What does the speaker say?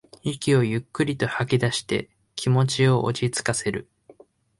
息をゆっくりと吐きだして気持ちを落ちつかせる